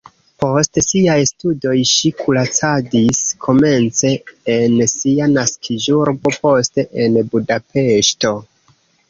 Post siaj studoj ŝi kuracadis komence en sia naskiĝurbo, poste en Budapeŝto.